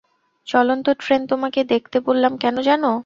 চলন্ত ট্রেন তোমাকে দেখতে বললাম কেন জান?